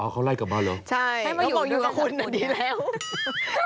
อ๋อเขาไล่กลับมาหรือใช่แล้วก็อยู่กับคุณอันดีแล้ว